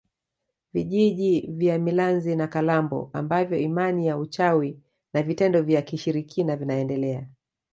Vijiji vya Milanzi na Kalambo ambavyo imani ya uchawi na vitendo vya kishirikina vinaendelea